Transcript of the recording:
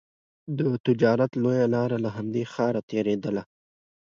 د تجارت لویه لاره له همدې ښاره تېرېدله.